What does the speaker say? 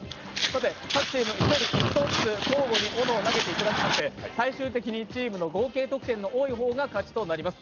各チーム１人１投ずつ交互に斧を投げていただきまして、最終的にチームの合計得点が多いほうが勝ちとなります。